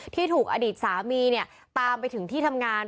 ที่ถูกอดีตสามีเนี่ยตามไปถึงที่ทำงาน